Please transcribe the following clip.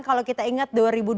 kalau kita ingat dua ribu dua puluh